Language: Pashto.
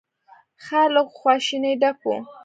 ښار له خواشينۍ ډک و.